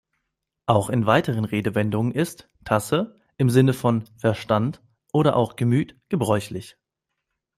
Auch in weiteren Redewendungen ist "Tasse" im Sinne von "Verstand" oder auch "Gemüt" gebräuchlich.